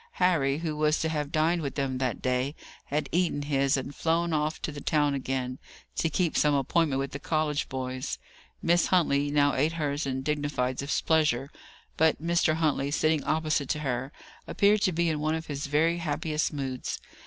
Harry, who was to have dined with them that day, had eaten his, and flown off to the town again, to keep some appointment with the college boys. Miss Huntley now ate hers in dignified displeasure; but Mr. Huntley, sitting opposite to her, appeared to be in one of his very happiest moods.